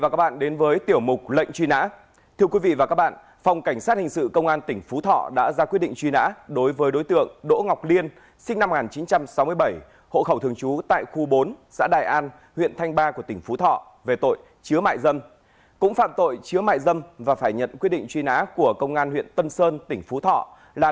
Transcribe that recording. cảm ơn các bạn đã theo dõi và hẹn gặp lại